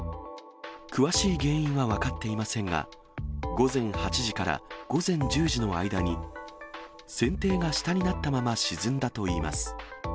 詳しい原因は分かっていませんが、午前８時から午前１０時の間に、船底が下になったまま沈んだといいます。